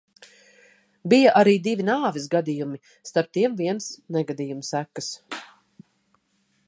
Bija arī divi nāves gadījumi, starp tiem viens – negadījuma sekas.